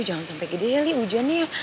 jangan sampai gede lih ujannya